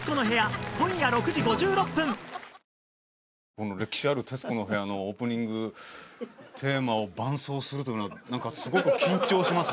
この歴史ある『徹子の部屋』のオープニングテーマを伴奏するっていうのはなんかすごく緊張します。